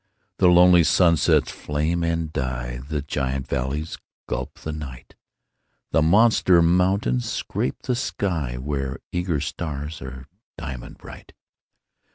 The lonely sunsets flame and die; The giant valleys gulp the night; The monster mountains scrape the sky, Where eager stars are diamond bright.